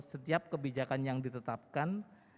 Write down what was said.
setiap kebijakan yang ditetapkan